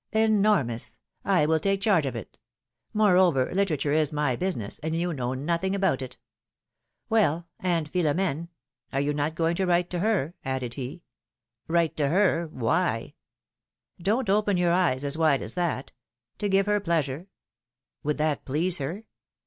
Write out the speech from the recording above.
'^ Enormous! I will take charge of it; moreover litera ture is my business, and you know nothing about it. Well! and Philom^ne: are you not going to write to her added he. Write to her ! Why ? Don't open your eyes as wide as that ! To give her pleasure !" Would that please her?"